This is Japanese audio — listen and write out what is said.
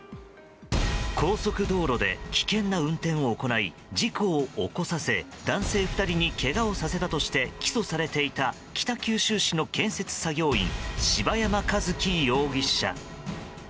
高速道路で危険な運転を行い事故を起こさせ男性２人にけがをさせたとして起訴されていた北九州市の建設作業員柴山和希容疑者。